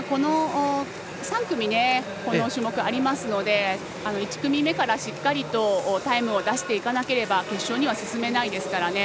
３組、この種目ありますので１組目からしっかりとタイムを出していかなければ決勝には進めないですからね。